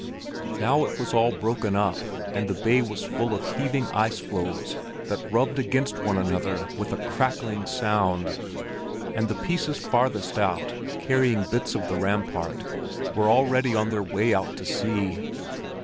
Now it was all broken up, and the bay was full of heaving ice floes that rubbed against one another with a crackling sound; and the pieces farthest out, carrying bits of the rampart, were already on their way out to sea.